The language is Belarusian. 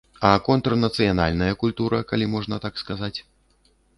А контрнацыянальная культура, калі можна так сказаць?